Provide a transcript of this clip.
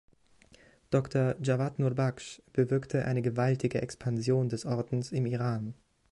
Doktor Javad Nurbakhsh bewirkte eine gewaltige Expansion des Ordens im Iran.